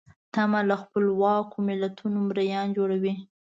تمه له خپلواکو ملتونو مریان جوړوي.